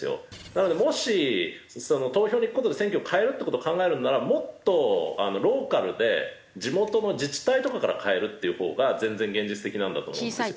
なのでもし投票に行く事で選挙を変えるって事を考えるならもっとローカルで地元の自治体とかから変えるっていうほうが全然現実的なんだと思うんですよね。